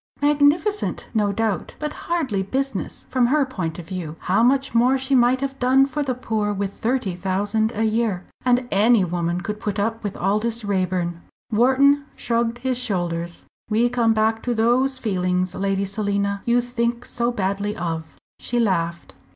"Magnificent, no doubt, but hardly business, from her point of view. How much more she might have done for the poor with thirty thousand a year! And any woman could put up with Aldous Raeburn." Wharton shrugged his shoulders. "We come back to those feelings, Lady Selina, you think so badly of." She laughed.